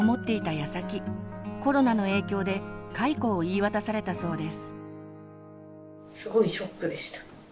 やさきコロナの影響で解雇を言い渡されたそうです。